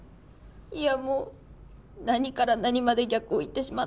いやもう何から何まで逆をいってしまったので。